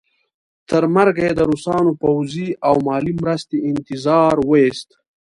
تر مرګه یې د روسانو پوځي او مالي مرستې انتظار وایست.